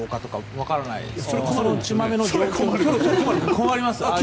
分からないですけど。